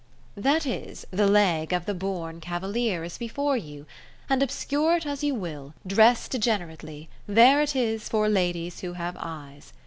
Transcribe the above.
That is, the leg of the born cavalier is before you: and obscure it as you will, dress degenerately, there it is for ladies who have eyes.